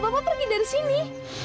bapak pergi dari sini